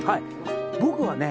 僕はね